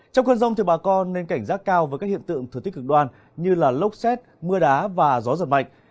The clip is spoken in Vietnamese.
trong cơn rông bà con nên cảnh giác cao với các hiện tượng thừa tích cực đoan như lốc xét mưa đá và gió giật mạnh